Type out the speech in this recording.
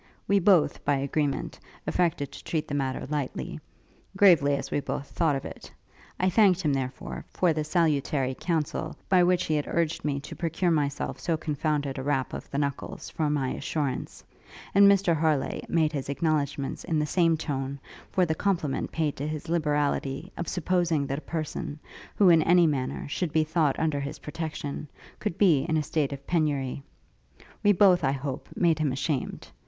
We both, by agreement, affected to treat the matter lightly, gravely as we both thought of it: I thanked him, therefore, for the salutary counsel, by which he had urged me to procure myself so confounded a rap of the knuckles, for my assurance; and Mr Harleigh made his acknowledgements in the same tone, for the compliment paid to his liberality, of supposing that a person, who, in any manner, should be thought under his protection, could be in a state of penury. We both, I hope, made him ashamed.